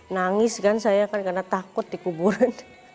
nangis kan saya karena takut di kuburan